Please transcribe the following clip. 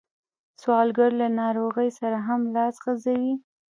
سوالګر له ناروغۍ سره هم لاس غځوي